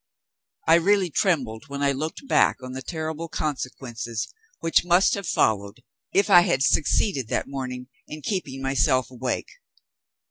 I really trembled when I looked back on the terrible consequences which must have followed, if I had succeeded that morning in keeping myself awake.